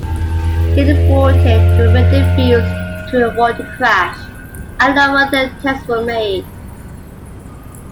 He aborted the rendezvous to avoid a crash, and no further attempts were made.